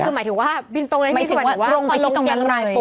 ก็คือหมายถึงว่าบินตรงในรับทริปฯ